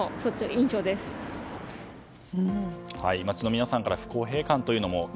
街の皆さんから不公平感というのも。